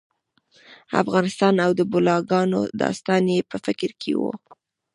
افغانستان او د بلاګانو داستان یې په فکر کې و.